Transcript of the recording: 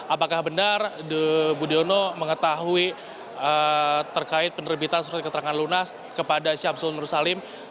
apakah benar budiono mengetahui terkait penerbitan surat keterangan lunas kepada syamsul nur salim